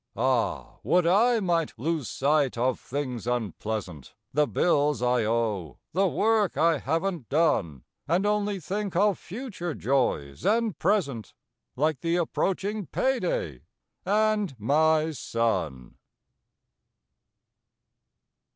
Ah, would I might lose sight of things unpleasant: The bills I owe; the work I haven't done. And only think of future joys and present, Like the approaching payday, and my son.